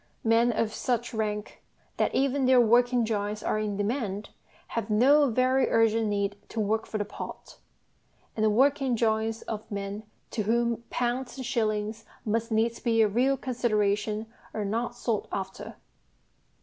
Men of such rank that even their working drawings are in demand have no very urgent need to work for the pot; and the working drawings of men to whom pounds and shillings must needs be a real consideration are not sought after.